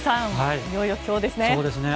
いよいよ今日ですね。